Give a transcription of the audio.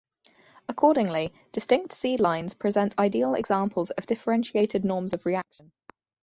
Accordingly, distinct seed lines present ideal examples of differentiated norms of reaction.